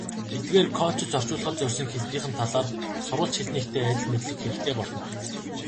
Эргээд кодчилж орчуулахад зорьсон хэлнийх нь талаар сурвалж хэлнийхтэй адил мэдлэг хэрэгтэй болно.